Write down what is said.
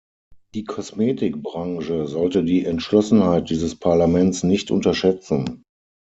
Die Kosmetikbranche sollte die Entschlossenheit dieses Parlaments nicht unterschätzen.